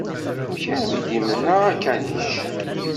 Amek armi i d-imenna akanic?